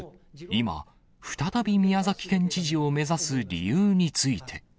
今、再び宮崎県知事を目指す理由について。